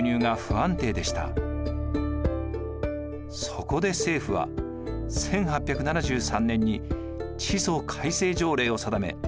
そこで政府は１８７３年に地租改正条例を定め